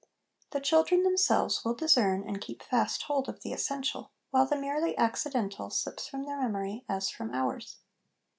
The children themselves will discern and keep fast hold of the essential, while the merely accidental slips from their memory as from ours.